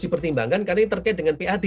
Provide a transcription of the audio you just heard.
dipertimbangkan karena ini terkait dengan pad